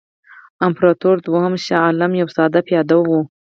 امپراطور دوهم شاه عالم یو ساده پیاده وو.